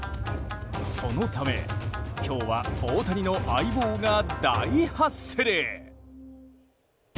そのため、今日は大谷の相棒が大ハッスル！